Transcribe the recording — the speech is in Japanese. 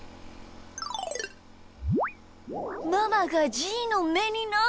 ママがじーのめになってる！